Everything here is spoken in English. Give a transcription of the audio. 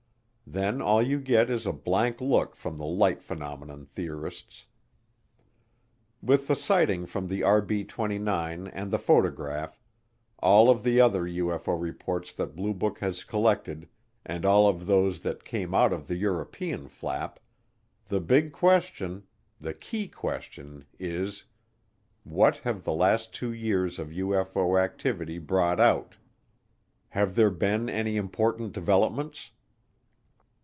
Then all you get is a blank look from the light phenomenon theorists. With the sighting from the RB 29 and the photograph, all of the other UFO reports that Blue Book has collected and all of those that came out of the European Flap, the big question the key question is: What have the last two years of UFO activity brought out? Have there been any important developments?